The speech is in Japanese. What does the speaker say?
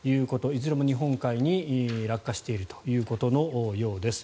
いずれも日本海に落下しているということのようです。